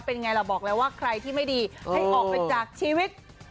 เป็นไงล่ะบอกแล้วว่าใครที่ไม่ดีให้ออกไปจากชีวิต